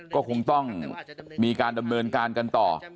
ก็คงต้องมีการดำเนินการกันต่อ